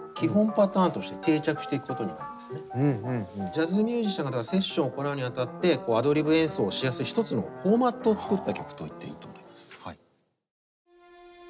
ジャズミュージシャンがセッションを行うにあたってアドリブ演奏をしやすい一つのフォーマットを作った曲と言っていいと思います。